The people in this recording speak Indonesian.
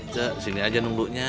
cek di sini aja nunggu nya